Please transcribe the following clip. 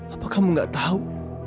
apa kamu gak tahu